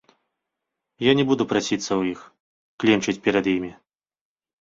Я не буду прасіцца ў іх, кленчыць перад імі.